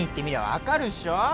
分かるっしょ